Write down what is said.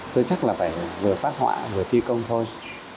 tôi chắc là phải vừa phát họa vừa thi công thôi